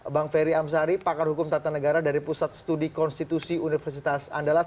bang ferry amsari pakar hukum tata negara dari pusat studi konstitusi universitas andalas